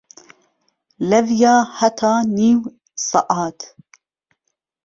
لەویا هەتا نیو سەعات